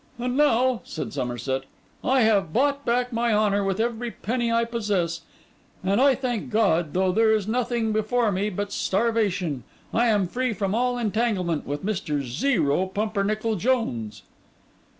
'And now,' said Somerset, 'I have bought back my honour with every penny I possess. And I thank God, though there is nothing before me but starvation, I am free from all entanglement with Mr. Zero Pumpernickel Jones.